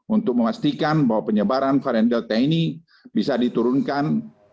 untuk memastikan bahwa penyebaran varian delta ini bisa diturunkan